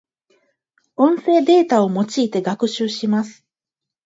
音声データを用いて学習します。